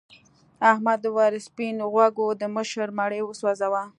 احمد وویل سپین غوږو د مشر مړی وسوځاوه.